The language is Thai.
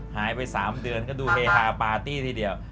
หายไป๓เดือนก็ดูเฮฮาปาร์ตี้ทีเดียว